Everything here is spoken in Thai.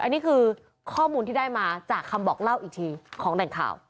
อันนี้คือข้อมูลที่ได้มาจากคำบอกเล่าอีกทีของแหล่งข่าว